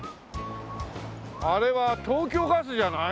あれは東京ガスじゃない？